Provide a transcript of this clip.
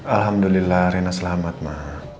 alhamdulillah rina selamat ma